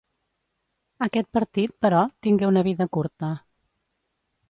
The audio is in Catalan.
Aquest partit, però, tingué una vida curta.